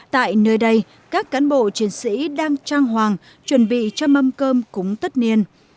tại nơi đây các cán bộ chiến sĩ đang trang hoàng chuẩn bị cho mâm cơm cúng tất niên